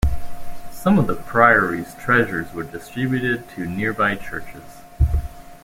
Some of the priory's treasures were distributed to nearby churches.